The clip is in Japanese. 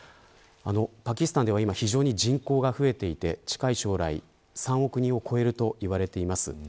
パキスタンでは今、非常に人口が増えていて近い将来３億人を超えるといわれています。